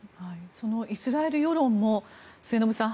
そのイスラエル世論も末延さん